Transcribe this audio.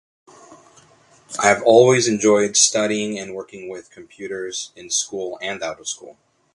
I've always enjoyed studying and working with computers, in school and out of school.